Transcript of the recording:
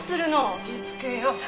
落ち着けよ花野。